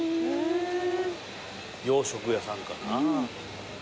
洋食屋さんかなカフェ。